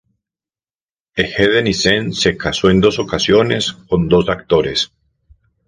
Egede-Nissen se casó en dos ocasiones, con dos actores.